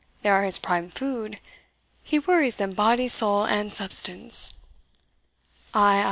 They are his prime food; he worries them body, soul, and substance." "Ay, ay!